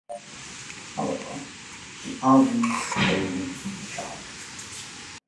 However, the album failed to chart.